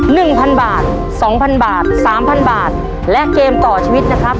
หนึ่งพันบาทสองพันบาทสามพันบาทและเกมต่อชีวิตนะครับ